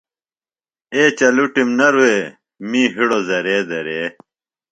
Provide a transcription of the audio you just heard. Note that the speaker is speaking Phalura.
اے چلُٹم نہ رُویہ می ہِڑو زرے زرے۔